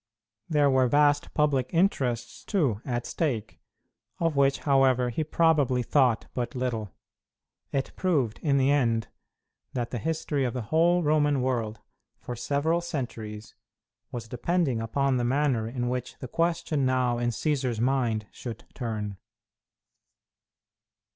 There were vast public interests, too, at stake, of which, however, he probably thought but little. It proved, in the end, that the history of the whole Roman world, for several centuries, was depending upon the manner in which the question now in Cćsar's mind should turn.